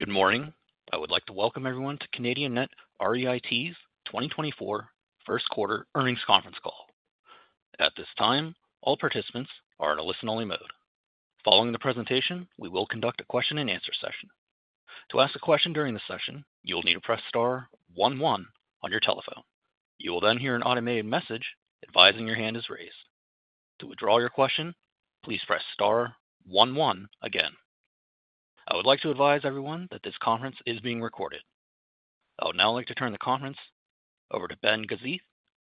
Good morning. I would like to welcome everyone to Canadian Net REIT's 2024 First Quarter Earnings Conference Call. At this time, all participants are in a listen-only mode. Following the presentation, we will conduct a question-and-answer session. To ask a question during the session, you will need to press star one one on your telephone. You will then hear an automated message advising your hand is raised. To withdraw your question, please press star one one again. I would like to advise everyone that this conference is being recorded. I would now like to turn the conference over to Ben Gazith,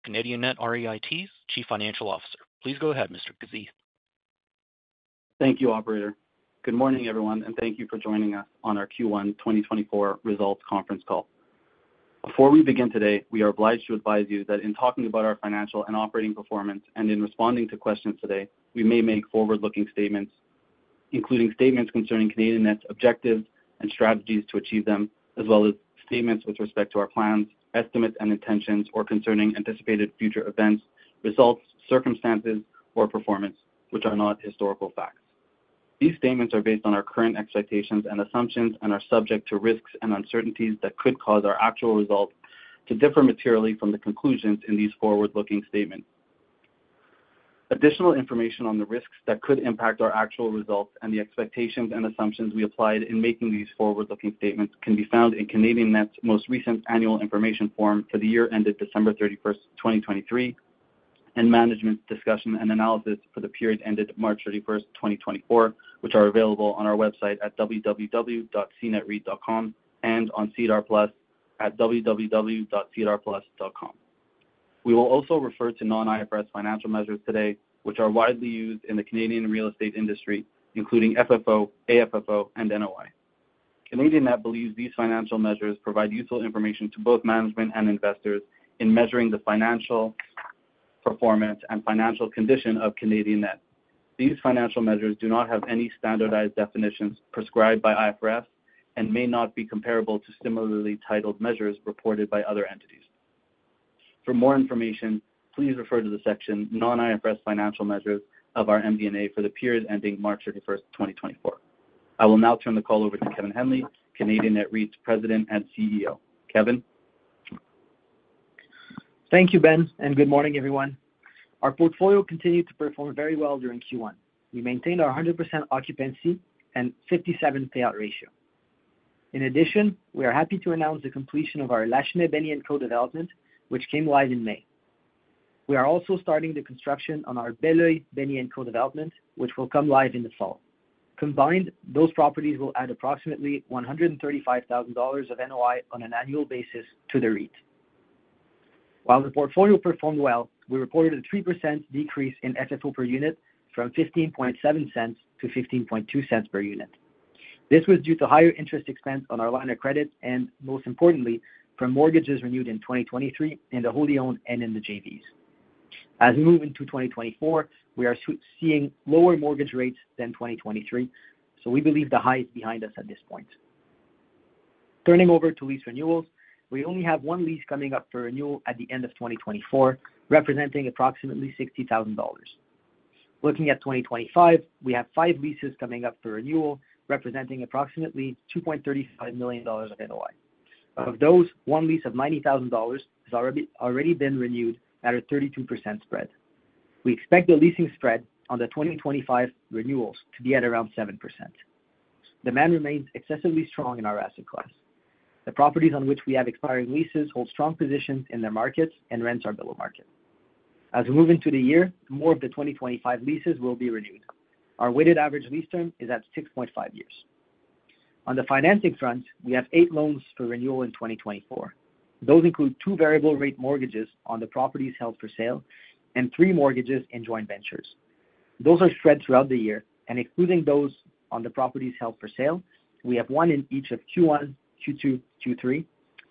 Canadian Net REIT's Chief Financial Officer. Please go ahead, Mr. Gazith. Thank you, operator. Good morning, everyone, and thank you for joining us on our Q1 2024 results conference call. Before we begin today, we are obliged to advise you that in talking about our financial and operating performance and in responding to questions today, we may make forward-looking statements, including statements concerning Canadian Net's objectives and strategies to achieve them, as well as statements with respect to our plans, estimates, and intentions, or concerning anticipated future events, results, circumstances, or performance, which are not historical facts. These statements are based on our current expectations and assumptions and are subject to risks and uncertainties that could cause our actual results to differ materially from the conclusions in these forward-looking statements. Additional information on the risks that could impact our actual results and the expectations and assumptions we applied in making these forward-looking statements can be found in Canadian Net's most recent Annual Information Form for the year ended December 31, 2023, and Management's Discussion and Analysis for the period ended March 31, 2024, which are available on our website at www.cnetreit.com and on SEDAR+ at www.sedarplus.com. We will also refer to non-IFRS financial measures today, which are widely used in the Canadian real estate industry, including FFO, AFFO, and NOI. Canadian Net believes these financial measures provide useful information to both management and investors in measuring the financial performance and financial condition of Canadian Net. These financial measures do not have any standardized definitions prescribed by IFRS and may not be comparable to similarly titled measures reported by other entities. For more information, please refer to the section Non-IFRS Financial Measures of our MD&A for the period ending March 31, 2024. I will now turn the call over to Kevin Henley, Canadian Net REIT's President and CEO. Kevin? Thank you, Ben, and good morning, everyone. Our portfolio continued to perform very well during Q1. We maintained our 100% occupancy and 57% payout ratio. In addition, we are happy to announce the completion of our Lachenaie Benny&Co. development, which came live in May. We are also starting the construction on our Beloeil Benny&Co. development, which will come live in the fall. Combined, those properties will add approximately 135,000 dollars of NOI on an annual basis to the REIT. While the portfolio performed well, we reported a 3% decrease in FFO per unit from 0.157 to 0.152 per unit. This was due to higher interest expense on our line of credit and, most importantly, from mortgages renewed in 2023 in the wholly owned and in the JVs. As we move into 2024, we are seeing lower mortgage rates than 2023, so we believe the high is behind us at this point. Turning over to lease renewals, we only have one lease coming up for renewal at the end of 2024, representing approximately 60,000 dollars. Looking at 2025, we have five leases coming up for renewal, representing approximately 2.35 million dollars of NOI. Of those, one lease of 90,000 dollars has already been renewed at a 32% spread. We expect the leasing spread on the 2025 renewals to be at around 7%. Demand remains excessively strong in our asset class. The properties on which we have expiring leases hold strong positions in their markets, and rents are below market. As we move into the year, more of the 2025 leases will be renewed. Our weighted average lease term is at 6.5 years. On the financing front, we have 8 loans for renewal in 2024. Those include 2 variable rate mortgages on the properties held for sale and 3 mortgages in joint ventures. Those are spread throughout the year, and excluding those on the properties held for sale, we have 1 in each of Q1, Q2, Q3,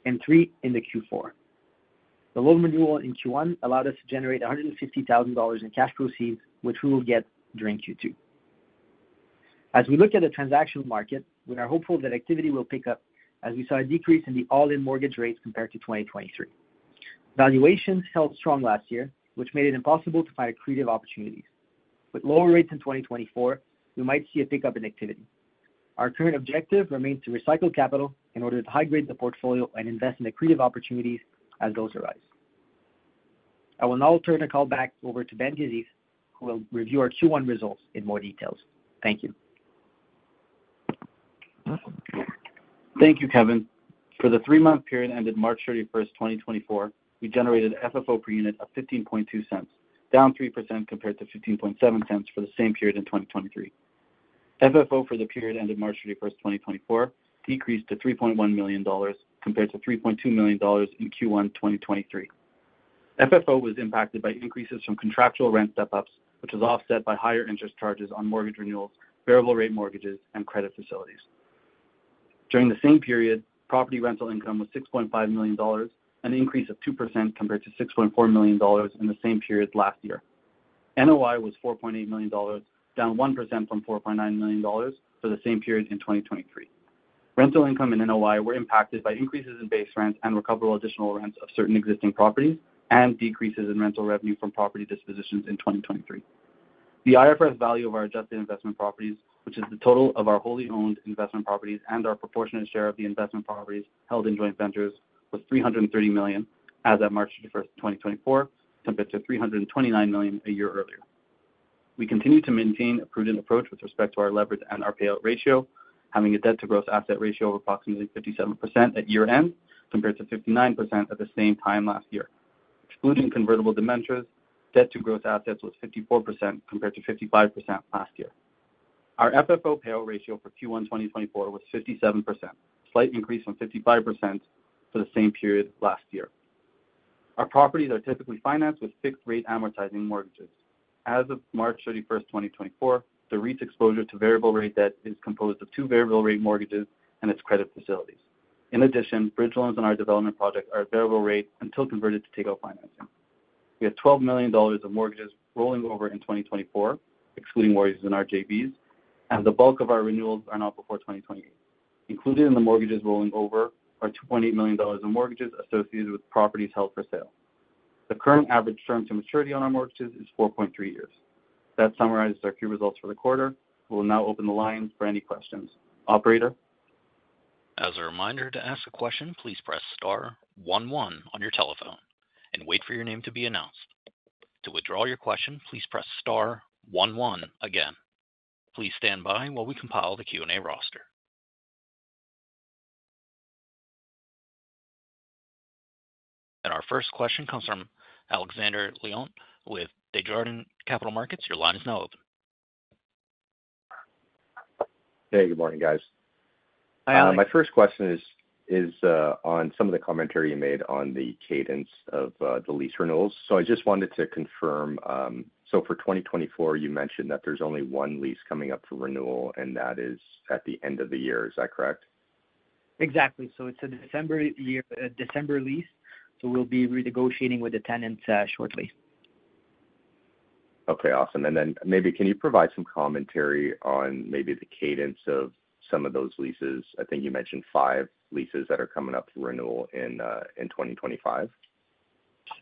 and 3 in the Q4. The loan renewal in Q1 allowed us to generate 150,000 dollars in cash proceeds, which we will get during Q2. As we look at the transactional market, we are hopeful that activity will pick up as we saw a decrease in the all-in mortgage rates compared to 2023. Valuations held strong last year, which made it impossible to find accretive opportunities. With lower rates in 2024, we might see a pickup in activity. Our current objective remains to recycle capital in order to high-grade the portfolio and invest in accretive opportunities as those arise. I will now turn the call back over to Ben Gazith, who will review our Q1 results in more details. Thank you. Thank you, Kevin. For the three-month period ended March 31, 2024, we generated FFO per unit of 0.152, down 3% compared to 0.157 for the same period in 2023. FFO for the period ended March 31, 2024, decreased to 3.1 million dollars, compared to 3.2 million dollars in Q1 2023. FFO was impacted by increases from contractual rent step-ups, which was offset by higher interest charges on mortgage renewals, variable rate mortgages, and credit facilities. During the same period, property rental income was 6.5 million dollars, an increase of 2% compared to 6.4 million dollars in the same period last year. NOI was 4.8 million dollars, down 1% from 4.9 million dollars for the same period in 2023. Rental income and NOI were impacted by increases in base rents and recoverable additional rents of certain existing properties and decreases in rental revenue from property dispositions in 2023. The IFRS value of our adjusted investment properties, which is the total of our wholly owned investment properties and our proportionate share of the investment properties held in joint ventures, was 330 million as of March 31, 2024, compared to 329 million a year earlier. We continue to maintain a prudent approach with respect to our leverage and our payout ratio, having a debt to gross asset ratio of approximately 57% at year-end, compared to 59% at the same time last year. Excluding convertible debentures, debt to gross assets was 54%, compared to 55% last year. Our FFO payout ratio for Q1 2024 was 57%, slight increase from 55% for the same period last year. Our properties are typically financed with fixed rate amortizing mortgages. As of March 31, 2024, the REIT's exposure to variable rate debt is composed of two variable rate mortgages and its credit facilities. In addition, bridge loans on our development project are at variable rate until converted to takeout financing. We have 12 million dollars of mortgages rolling over in 2024, excluding mortgages in our JVs, and the bulk of our renewals are not before 2028. Included in the mortgages rolling over are 28 million dollars in mortgages associated with properties held for sale. The current average term to maturity on our mortgages is 4.3 years. That summarizes our key results for the quarter. We'll now open the line for any questions. Operator? As a reminder, to ask a question, please press star one one on your telephone and wait for your name to be announced. To withdraw your question, please press star one one again. Please stand by while we compile the Q&A roster. Our first question comes from Alexander Leon with Desjardins Capital Markets. Your line is now open. Hey, good morning, guys. Hi, Alex. My first question is on some of the commentary you made on the cadence of the lease renewals. So I just wanted to confirm. So for 2024, you mentioned that there's only one lease coming up for renewal, and that is at the end of the year. Is that correct? Exactly. So it's a December year, December lease, so we'll be renegotiating with the tenants, shortly. Okay, awesome. And then maybe can you provide some commentary on maybe the cadence of some of those leases? I think you mentioned five leases that are coming up for renewal in, in 2025.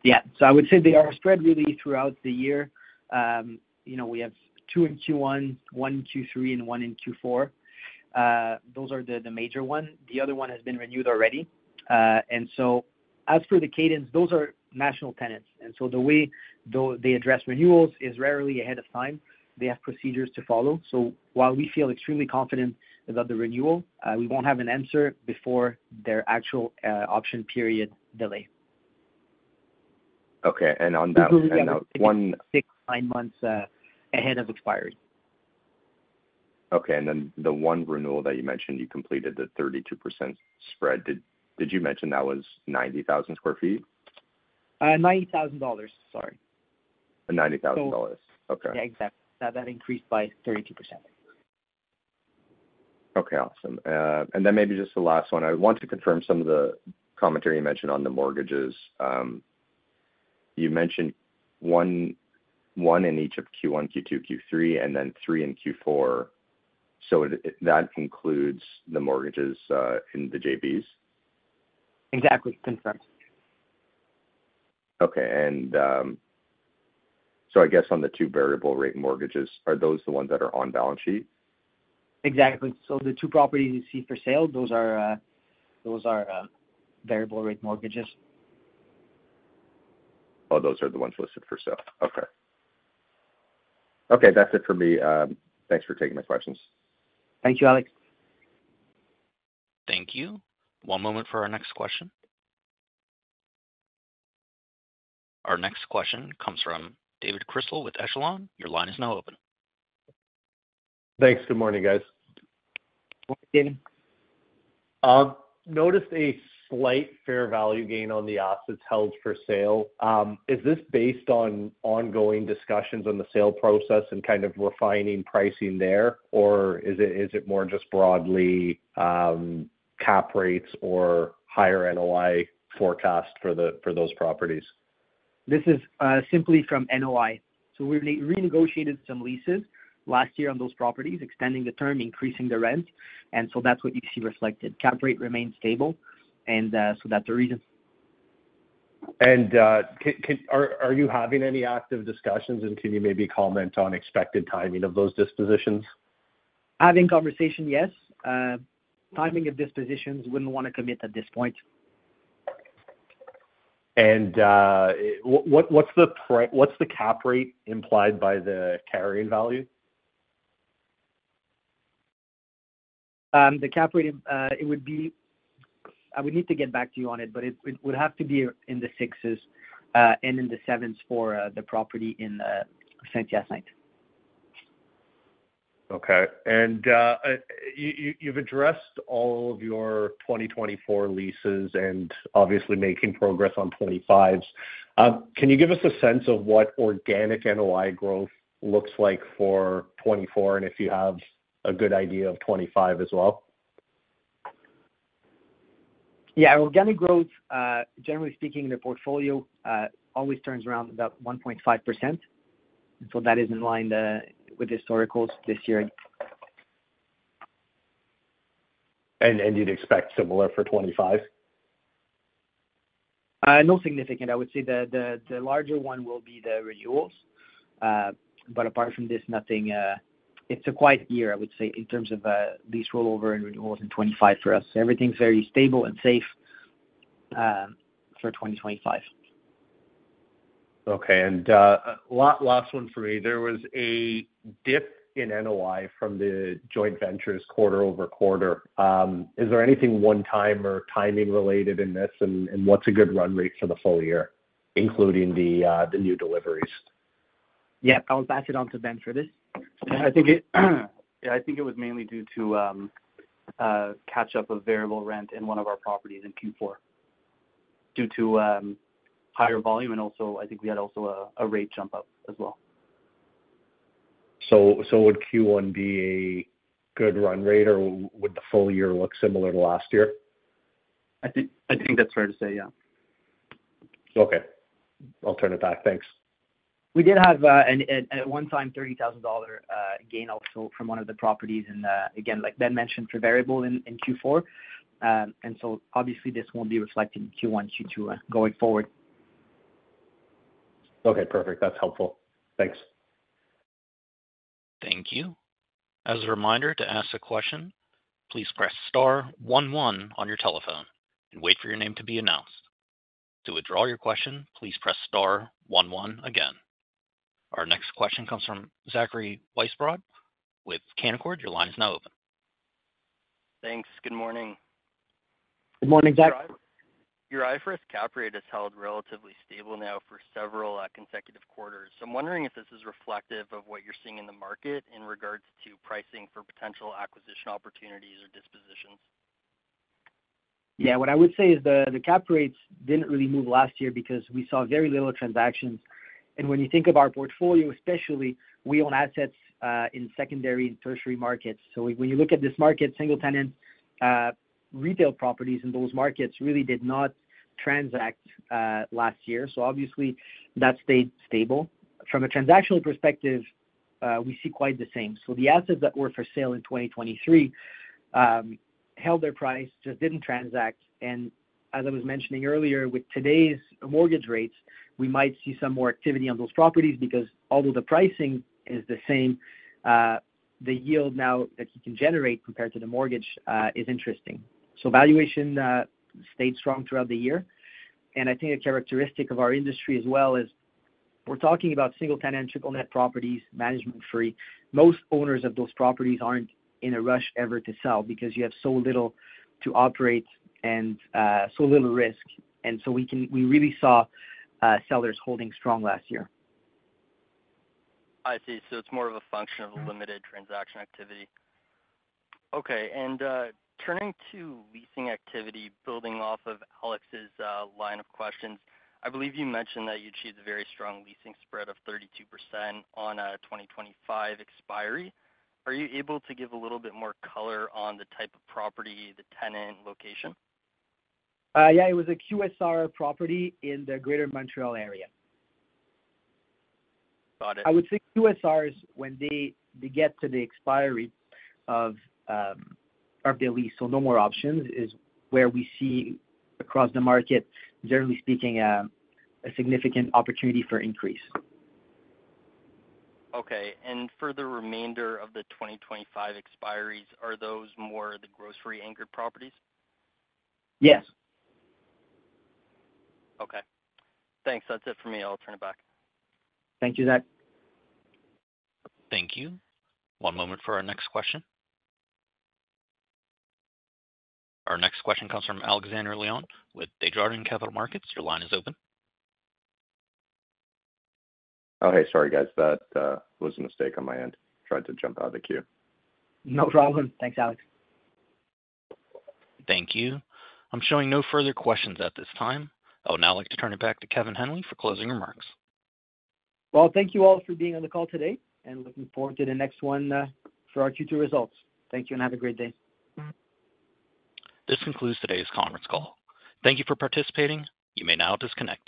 Yeah. So I would say they are spread really throughout the year. You know, we have 2 in Q1, 1 in Q3, and 1 in Q4. Those are the major one. The other one has been renewed already. And so as for the cadence, those are national tenants, and so the way though they address renewals is rarely ahead of time. They have procedures to follow. So while we feel extremely confident about the renewal, we won't have an answer before their actual option period delay. Okay, on that one- 6, 9 months ahead of expiry. Okay, and then the one renewal that you mentioned, you completed the 32% spread. Did you mention that was 90,000 sq ft? 90,000 dollars. Sorry. 90,000 dollars? So- Okay. Yeah, exactly. That, that increased by 32%. Okay, awesome. And then maybe just the last one. I want to confirm some of the commentary you mentioned on the mortgages. You mentioned one in each of Q1, Q2, Q3, and then three in Q4. So that includes the mortgages in the JVs? Exactly. Confirmed. Okay. So I guess on the 2 variable rate mortgages, are those the ones that are on balance sheet? Exactly. So the two properties you see for sale, those are variable rate mortgages. Oh, those are the ones listed for sale. Okay. Okay, that's it for me. Thanks for taking my questions. Thank you, Alex. Thank you. One moment for our next question. Our next question comes from David Chrystal with Echelon. Your line is now open. Thanks. Good morning, guys. Morning, David. Noticed a slight fair value gain on the assets held for sale. Is this based on ongoing discussions on the sale process and kind of refining pricing there, or is it, is it more just broadly, cap rates or higher NOI forecast for the, for those properties? This is simply from NOI. So we renegotiated some leases last year on those properties, extending the term, increasing the rent, and so that's what you see reflected. Cap rate remains stable, and so that's the reason. And, are you having any active discussions, and can you maybe comment on expected timing of those dispositions? Having conversation, yes. Timing of dispositions, wouldn't want to commit at this point. What's the cap rate implied by the carrying value? The cap rate, it would be... I would need to get back to you on it, but it, it would have to be in the sixes and in the sevens for the property in Saint-Hyacinthe. Okay. You've addressed all of your 2024 leases and obviously making progress on 2025s. Can you give us a sense of what organic NOI growth looks like for 2024, and if you have a good idea of 2025 as well? Yeah. Organic growth, generally speaking, the portfolio always turns around about 1.5%, so that is in line with historicals this year.... And you'd expect similar for 25? No significant. I would say the larger one will be the renewals. But apart from this, nothing, it's a quiet year, I would say, in terms of lease rollover and renewals in 2025 for us. Everything's very stable and safe for 2025. Okay. Last one for me. There was a dip in NOI from the joint ventures quarter-over-quarter. Is there anything one-time or timing related in this, and what's a good run rate for the full year, including the new deliveries? Yeah, I'll pass it on to Ben for this. I think it, yeah, I think it was mainly due to catch up of variable rent in one of our properties in Q4 due to higher volume, and also I think we had also a rate jump up as well. So, would Q1 be a good run rate, or would the full year look similar to last year? I think, I think that's fair to say, yeah. Okay. I'll turn it back. Thanks. We did have a one-time 30,000 dollar gain also from one of the properties in again, like Ben mentioned, for variable in Q4. And so obviously this won't be reflected in Q1, Q2 going forward. Okay, perfect. That's helpful. Thanks. Thank you. As a reminder, to ask a question, please press star one one on your telephone and wait for your name to be announced. To withdraw your question, please press star one one again. Our next question comes from Zachary Weisbrod with Canaccord. Your line is now open. Thanks. Good morning. Good morning, Zach. Your IFRS cap rate has held relatively stable now for several consecutive quarters. So I'm wondering if this is reflective of what you're seeing in the market in regards to pricing for potential acquisition opportunities or dispositions? Yeah, what I would say is the cap rates didn't really move last year because we saw very little transactions. And when you think of our portfolio especially, we own assets in secondary and tertiary markets. So when you look at this market, single tenant retail properties in those markets really did not transact last year. So obviously, that stayed stable. From a transactional perspective, we see quite the same. So the assets that were for sale in 2023 held their price, just didn't transact. And as I was mentioning earlier, with today's mortgage rates, we might see some more activity on those properties, because although the pricing is the same, the yield now that you can generate compared to the mortgage is interesting. So valuation stayed strong throughout the year. And I think a characteristic of our industry as well is we're talking about single-tenant, triple net properties, management-free. Most owners of those properties aren't in a rush ever to sell, because you have so little to operate and, so little risk. And so we really saw sellers holding strong last year. I see. So it's more of a function of a limited transaction activity. Okay. And, turning to leasing activity, building off of Alex's line of questions, I believe you mentioned that you achieved a very strong leasing spread of 32% on a 2025 expiry. Are you able to give a little bit more color on the type of property, the tenant location? Yeah, it was a QSR property in the Greater Montreal area. Got it. I would say QSRs, when they get to the expiry of the lease, so no more options, is where we see across the market, generally speaking, a significant opportunity for increase. Okay. And for the remainder of the 2025 expiries, are those more the grocery anchored properties? Yes. Okay. Thanks. That's it for me. I'll turn it back. Thank you, Zach. Thank you. One moment for our next question. Our next question comes from Alexander Leon with Desjardins Capital Markets. Your line is open. Oh, hey, sorry, guys. That was a mistake on my end. Tried to jump out of the queue. No problem. Thanks, Alex. Thank you. I'm showing no further questions at this time. I would now like to turn it back to Kevin Henley for closing remarks. Well, thank you all for being on the call today, and looking forward to the next one for our Q2 results. Thank you, and have a great day. This concludes today's conference call. Thank you for participating. You may now disconnect.